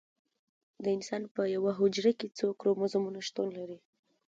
د انسان په یوه حجره کې څو کروموزومونه شتون لري